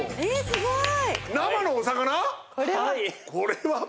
すごい！